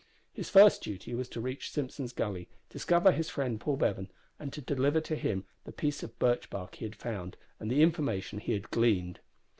His first duty was to reach Simpson's Gully, discover his friend Paul Bevan, and deliver to him the piece of birch bark he had found, and the information he had gleaned.